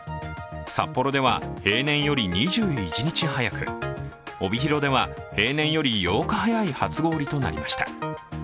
札幌では平年より２１日早く、帯広では平年より８日早い初氷となりました。